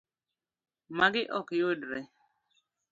Magi ok yudre.